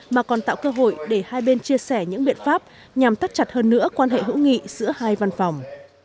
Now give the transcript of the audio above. mà còn tạo cơ hội để hai bên chia sẻ những biện pháp nhằm tắt chặt hơn nữa quan hệ hữu nghị giữa hai văn phòng